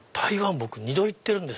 僕２度行ってるんです。